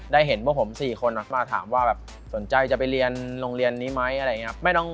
เห็นพวกผม๔คนมาถามว่าแบบสนใจจะไปเรียนโรงเรียนนี้ไหมอะไรอย่างนี้